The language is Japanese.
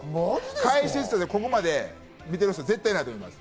解説者でここまで見ている人、絶対いないと思います。